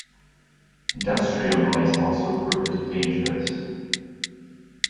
Industrial noise also proved dangerous.